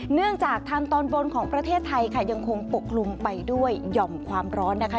เนื่องจากทางตอนบนของประเทศไทยค่ะยังคงปกคลุมไปด้วยหย่อมความร้อนนะคะ